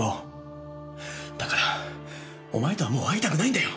だからお前とはもう会いたくないんだよ！